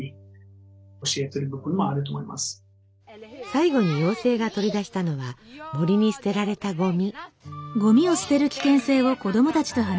最後に妖精が取り出したのは森に捨てられたゴミ。